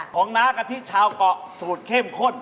ของหน้ากะทิชาวก่อสูตรเข้มข้น